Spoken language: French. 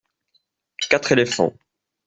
Quatre éléphants.